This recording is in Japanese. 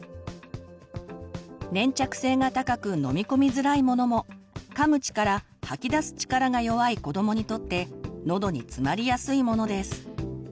粘着性が高く飲み込みづらいものもかむ力吐き出す力が弱い子どもにとってのどに詰まりやすいものです。